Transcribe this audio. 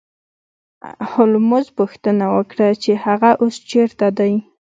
هولمز پوښتنه وکړه چې هغه اوس چیرته دی